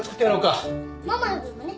ママの分もね。